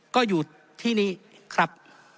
ก็อยู่ที่นี้ครับ